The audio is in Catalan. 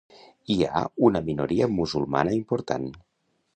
Hi ha una minoria musulmana important.